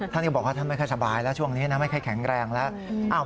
ท่านก็บอกว่าท่านไม่ค่อยสบายแล้วช่วงนี้นะไม่ค่อยแข็งแรงแล้ว